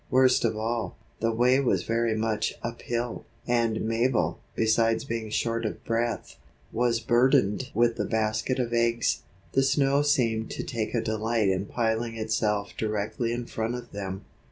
Worst of all, the way was very much uphill, and Mabel, besides being short of breath, was burdened with the basket of eggs. The snow seemed to take a delight in piling itself directly in front of them.